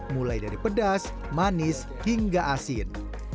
mulai dari pedas manis hingga asin